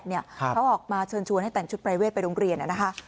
เขาออกมาเชิญชวนให้แต่งชุดปรายเวทไปโรงเรียนนะคะ